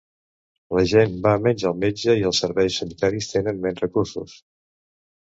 La gent va menys al metge i els serveis sanitaris tenen menys recursos.